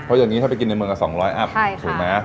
เพราะอย่างนี้ถ้าไปกินในเมืองละ๒๐๐อัพถูกไหม